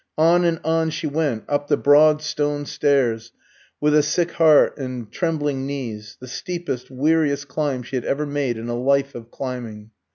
On and on she went, up the broad stone stairs, with a sick heart and trembling knees, the steepest, weariest climb she had ever made in a life of climbing.